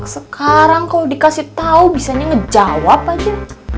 sekarang kau dikasih tahu bisa ngejawab aja